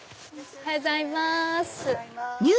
おはようございます。